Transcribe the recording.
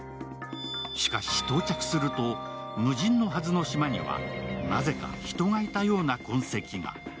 しかし到着すると、無人のはずの島にはなぜか人がいたような痕跡が。